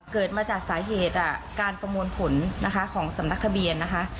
เกิดมาจากสาเหตุการประมวลผลนะคะของสำนักทะเบียนนะคะ